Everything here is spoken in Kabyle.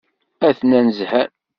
Atnan zhan.